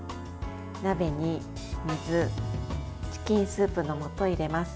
鍋に水チキンスープのもとを入れます。